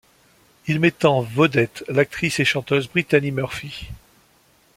Il met en vedette l'actrice et chanteuse Brittany Murphy.